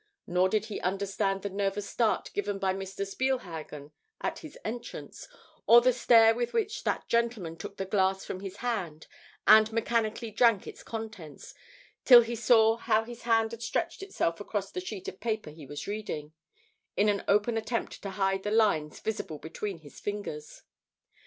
Nor did he understand the nervous start given by Mr. Spielhagen at his entrance, or the stare with which that gentleman took the glass from his hand and mechanically drank its contents, till he saw how his hand had stretched itself across the sheet of paper he was reading, in an open attempt to hide the lines visible between his fingers.